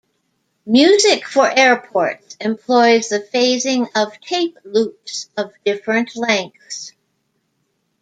"Music for Airports" employs the phasing of tape loops of different lengths.